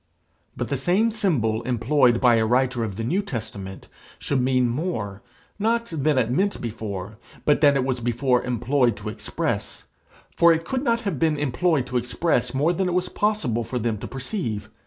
But the same symbol employed by a writer of the New Testament should mean more, not than it meant before, but than it was before employed to express; for it could not have been employed to express more than it was possible for them to perceive.